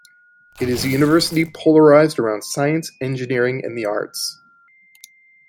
It is a university polarized around science, engineering, and the arts.